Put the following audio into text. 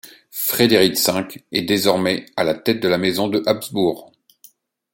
Frédéric V est désormais à la tête de la Maison de Habsbourg.